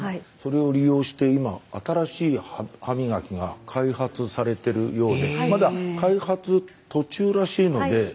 それを利用して今新しい歯磨きが開発されてるようでまだ開発途中らしいので。